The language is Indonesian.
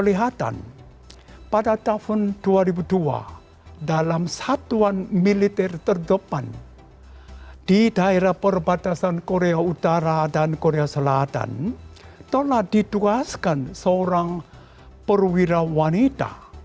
lihatan pada tahun dua ribu dua dalam satuan militer terdepan di daerah perbatasan korea utara dan korea selatan telah dituaskan seorang perwira wanita